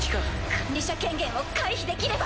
管理者権限を回避できれば。